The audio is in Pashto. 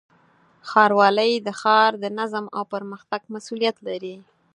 ښاروالۍ د ښار د نظم او پرمختګ مسؤلیت لري.